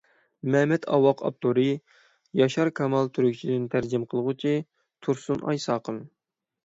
مەمەت ئاۋاق ئاپتورى: ياشار كامال تۈركچىدىن تەرجىمە قىلغۇچى: تۇرسۇنئاي ساقىم